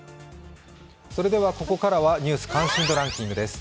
ここからは「ニュース関心度ランキング」です。